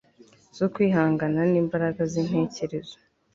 zo kwihangana nimbaraga zintekerezo